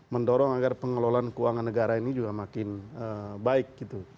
mendorong agar pengelolaan keuangan negara ini juga makin baik gitu